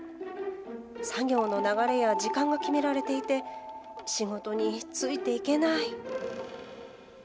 作業の流れや時間が決められていて仕事についていけない。